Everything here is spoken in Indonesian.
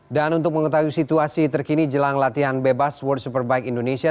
dan untuk mengetahui situasi terkini jelang latihan bebas world superbike indonesia